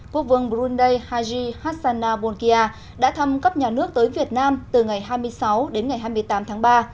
quốc vương brunei haji hassana bolkia đã thăm cấp nhà nước tới việt nam từ ngày hai mươi sáu đến ngày hai mươi tám tháng ba